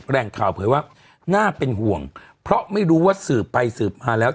แรงข่าวเผยว่าน่าเป็นห่วงเพราะไม่รู้ว่าสืบไปสืบมาแล้ว